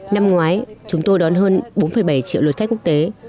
năm ngoái chúng tôi đón hơn bốn bảy triệu lượt khách quốc tế